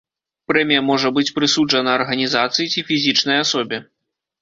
Прэмія можа быць прысуджана арганізацыі ці фізічнай асобе.